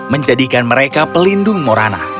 menjadikan mereka pelindung morana